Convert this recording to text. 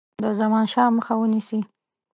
د زمانشاه مخه ونیسي.